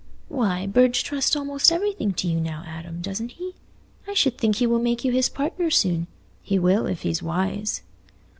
"Why, Burge trusts almost everything to you now, Adam, doesn't he? I should think he will make you his partner soon. He will, if he's wise."